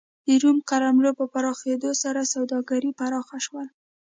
د روم قلمرو په پراخېدو سره سوداګري پراخ شول.